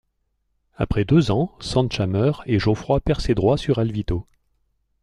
Après deux ans Sancha meurt et Geoffroi perd ses droits sur Alvito.